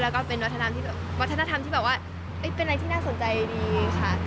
แล้วก็เป็นวัฒนธรรมที่บอกว่าเป็นอะไรที่น่าสนใจดีค่ะ